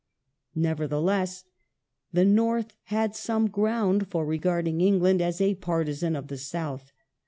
Nevertheless, the North had some ground for regarding England as a partisan of the South.